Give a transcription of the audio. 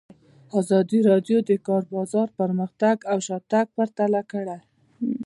ازادي راډیو د د کار بازار پرمختګ او شاتګ پرتله کړی.